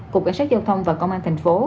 cục cảnh sát giao thông và công an tp hcm